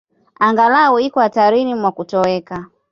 Angalau iko hatarini mwa kutoweka.